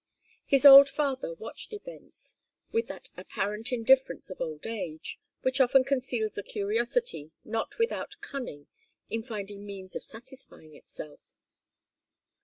His old father watched events with that apparent indifference of old age, which often conceals a curiosity not without cunning in finding means of satisfying itself.